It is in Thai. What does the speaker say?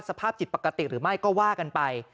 สภาพจิตปกติหรือไม่ก็ว่ากันไป